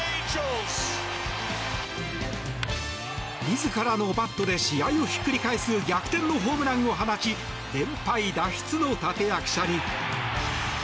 自らのバットで試合をひっくり返す逆転のホームランを放ち連敗脱出の立役者に。